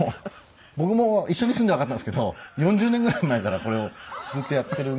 僕も一緒に住んでわかったんですけど４０年ぐらい前からこれをずっとやってるみたいでして。